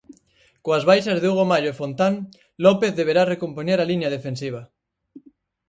Coas baixas de Hugo Mallo e Fontán, López deberá recompoñer a liña defensiva.